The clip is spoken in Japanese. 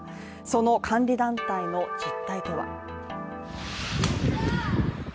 その監理団体の実態とは。